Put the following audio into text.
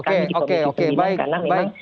kami di komisi pemilihan karena memang